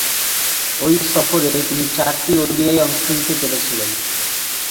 ঐ সফরে তিনি চারটি ওডিআইয়ে অংশ নিতে পেরেছিলেন।